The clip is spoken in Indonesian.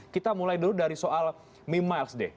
kita mulai dulu dari soal memiles deh